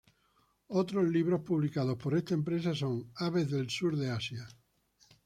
Otros libros publicados por esta empresa son aves del sur de Asia.